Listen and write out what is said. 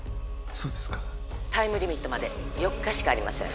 そうですかタイムリミットまで４日しかありません